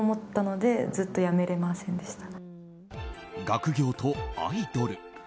学業とアイドル。